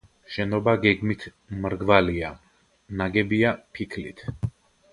შენობა გეგმით მრგვალია, ნაგებია ფიქლით.